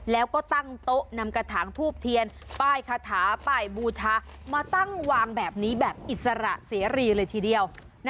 แล้วก็ตั้งโต๊ะนำกระถางทูบเทียนป้ายคาถาป้ายบูชามาตั้งวางแบบนี้แบบอิสระเสรีเลยทีเดียว